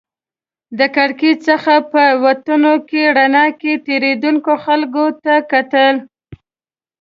د کړکۍ څخه په وتونکې رڼا کې تېرېدونکو خلکو ته کتل.